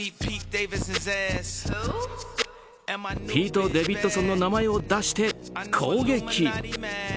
ピート・デビッドソンの名前を出して攻撃。